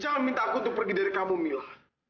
jangan minta aku untuk pergi dari kamu mila